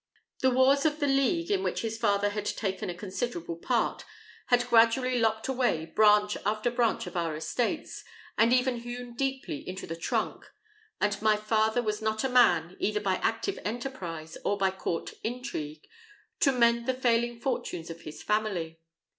The wars of the League, in which his father had taken a considerable part, had gradually lopped away branch after branch of our estates, and even hewn deeply into the trunk; and my father was not a man, either by active enterprise or by court intrigue, to mend the failing fortunes of his family.